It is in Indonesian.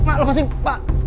pak lepasin pak